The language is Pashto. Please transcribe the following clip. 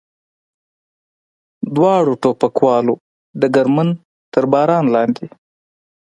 دواړو ټوپکوالو ډګرمن تر باران لاندې.